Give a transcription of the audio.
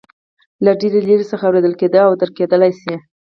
له ډېرې لرې څخه اورېدل کېدای او درک کېدلای شي.